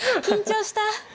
緊張した。